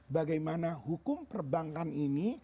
bagaimana hukum perbankan ini